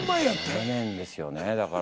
７年ですよねだから。